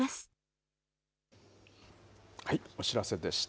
お知らせでした。